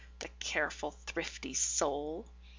The careful, thrifty soul.